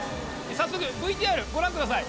早速ＶＴＲご覧ください。